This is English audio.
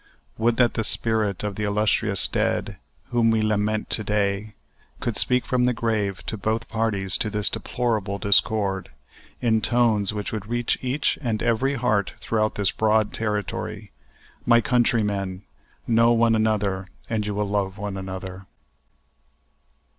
Would that the spirit of the illustrious dead, whom we lament to day, could speak from the grave to both parties to this deplorable discord, in tones which would reach each and every heart throughout this broad territory: My countrymen! know one another and you will love one another.